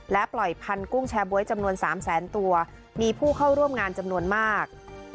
ปล่อยพันธุ์กุ้งแชร์บ๊วยจำนวน๓แสนตัวมีผู้เข้าร่วมงานจำนวนมาก